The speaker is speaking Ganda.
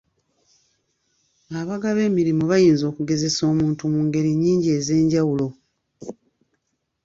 Abagaba emirimu bayinza okugezesa omuntu mu ngeri nnyingi ez'enjawulo.